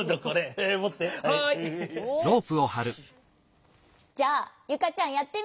じゃあゆかちゃんやってみよう！